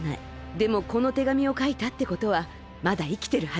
でもこのてがみをかいたってことはまだいきてるはず。